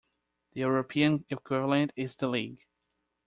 The European equivalent is the league.